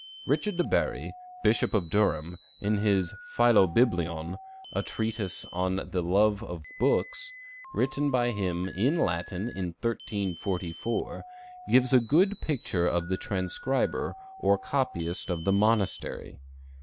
Richard de Bury, Bishop of Durham, in his "Philobiblion," a treatise on the love of books, written by him in Latin in 1344, gives a good picture of the transcriber, or copyist of the monastery.